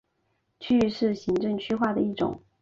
区域是行政区划的一种。